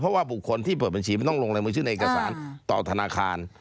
เพราะว่าบุคคลที่เปิดบัญชีมันต้องลงรายมือชื่อในเอกสารต่อธนาคาร